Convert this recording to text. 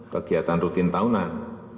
kegiatan rutin tahunan